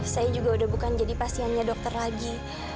saya juga udah bukan jadi pasiennya dokter lagi